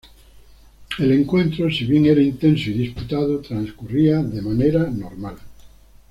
El encuentro, si bien era intenso y disputado, transcurría de manera normal.